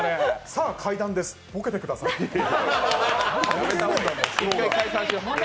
さあ階段です、ボケてくださいって。